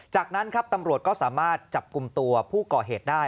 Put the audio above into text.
จากนั้นครับตำรวจก็สามารถจับกลุ่มตัวผู้ก่อเหตุได้